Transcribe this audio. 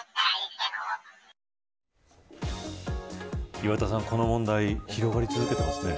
岩田さん、この問題広がり続けていますね。